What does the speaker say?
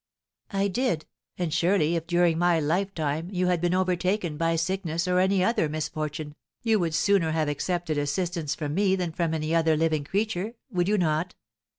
"I did; and surely if, during my lifetime, you had been overtaken by sickness or any other misfortune, you would sooner have accepted assistance from me than from any other living creature, would you not?